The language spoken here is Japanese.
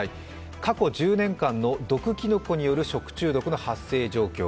過去１０年間の毒きのこによる食中毒の発生状況。